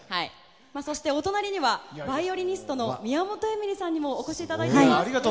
そして、お隣にはバイオリニストの宮本笑里さんにもお越しいただいています。